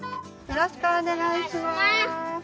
よろしくお願いします。